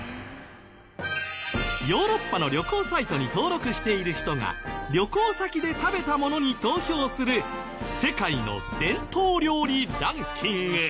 ヨーロッパの旅行サイトに登録している人が旅行先で食べたものに投票する世界の伝統料理ランキング。